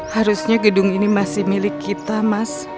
harusnya gedung ini masih milik kita mas jaka ya